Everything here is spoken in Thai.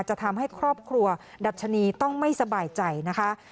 จะทำให้ครอบครัวดัชนีต้องไม่สบายใจนะคะ